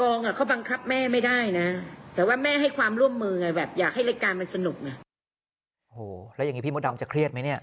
โอ้โหแล้วอย่างนี้พี่มดดำจะเครียดไหมเนี่ย